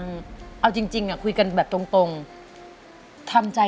แล้วตอนนี้พี่พากลับไปในสามีออกจากโรงพยาบาลแล้วแล้วตอนนี้จะมาถ่ายรายการ